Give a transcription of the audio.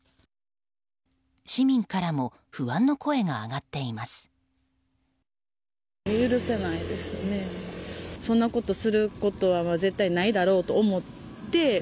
市民からも不安の声が上がっています。